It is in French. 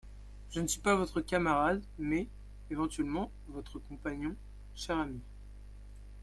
Je ne suis pas votre camarade mais, éventuellement, votre compagnon, cher ami.